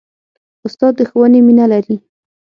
استاد د ښوونې مینه لري.